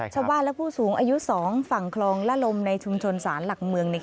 ชาวบ้านและผู้สูงอายุ๒ฝั่งคลองละลมในชุมชนศาลหลักเมือง